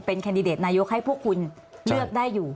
แคนดิเดตนายกให้พวกคุณเลือกได้อยู่